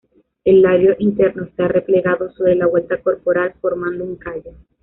El labio interno está replegado sobre la vuelta corporal formando un callo.